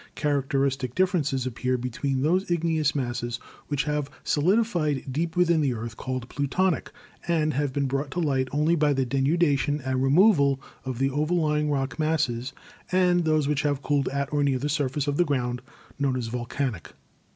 Characteristic differences appear between those igneous masses which have solidi fied deep within the earth, called 'plutonic,' and have been brought to light only by the denudation and removal of 160 GEOLOGY the overlying rock masses, and those which have cooled at or near the surface of the ground, known as volcanic.